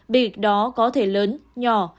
bi đó có thể lớn nhỏ